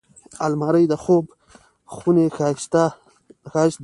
الماري د خوب خونې ښايست دی